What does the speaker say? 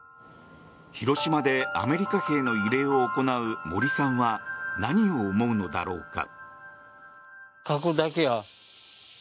広島でアメリカ兵の慰霊を行う森さんは何を思うのだろうか。